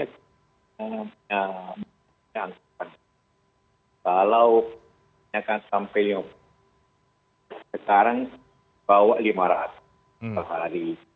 kalau ini akan sampai sekarang bawah lima ratus per hari